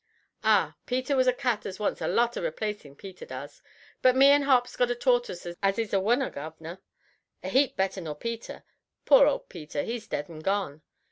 Ah! Peter was a cat as wants a lot of replacin', Peter does. But me and Hop's got a tortus as is a wunner, guv'nor. A heap better nor Peter. Poor old Peter! he's dead and gone.